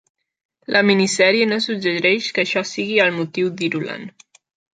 La minisèrie no suggereix que això sigui el motiu d'Irulan.